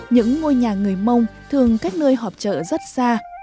những ngôi nhà người mông thường cách nơi họp chợ rất xa